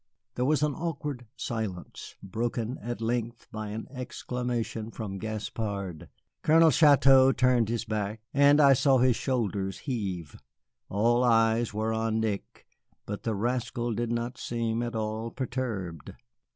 There was an awkward silence, broken at length by an exclamation from Gaspard. Colonel Chouteau turned his back, and I saw his shoulders heave. All eyes were on Nick, but the rascal did not seem at all perturbed.